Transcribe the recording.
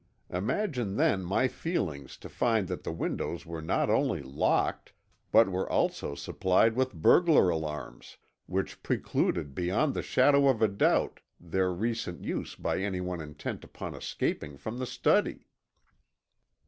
Imagine then my feelings to find that the windows were not only locked, but were also supplied with burglar alarms, which precluded beyond the shadow of a doubt their recent use by anyone intent upon escaping from the study!